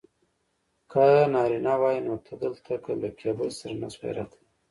که نارینه وای نو ته دلته له کیبل سره نه شوای راتلای.